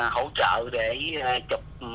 hỗ trợ để chụp